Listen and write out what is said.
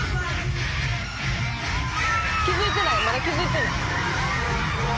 「気づいてないまだ気づいてない」